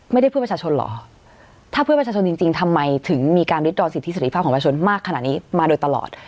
ไม่ได้เพื่อประชาชนเหรอถ้าเพื่อประชาชนจริงจริงทำไมถึงมีการริดรอสิทธิเสร็จภาพของประชาชนมากขนาดนี้มาโดยตลอด